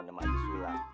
nama aja sulam